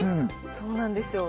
そうなんですよ。